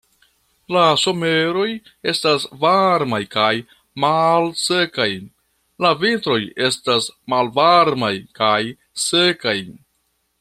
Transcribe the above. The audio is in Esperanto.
La someroj estas varmaj kaj malsekaj, la vintroj estas malvarmaj kaj sekaj.